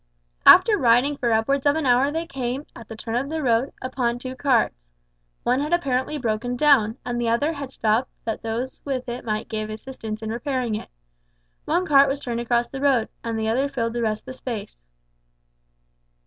After riding for upwards of an hour they came, at the turn of the road, upon two carts. One had apparently broken down, and the other had stopped that those with it might give assistance in repairing it. One cart was turned across the road, and the other filled the rest of the space.